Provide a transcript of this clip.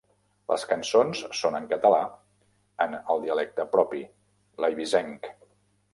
Les cançons són en català, en el dialecte propi, l'eivissenc.